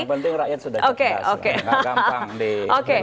yang penting rakyat sudah terbatas